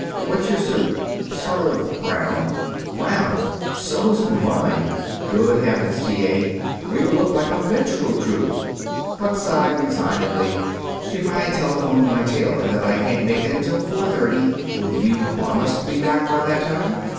What's your suit?" "Sort of brown." "Brown? So's mine! Good heavens, T. A., we'll look like a minstrel troupe!" Buck sighed resignedly. "If I telephone my tailor that I can't make it until four thirty, will you promise to be back by that time?"